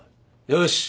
よし！